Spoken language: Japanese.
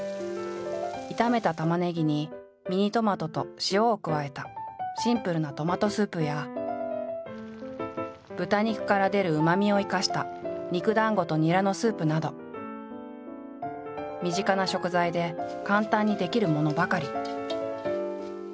炒めたたまねぎにミニトマトと塩を加えたシンプルなトマトスープや豚肉から出るうまみを生かした肉団子とニラのスープなど身近な食材で簡単に出来るものばかり。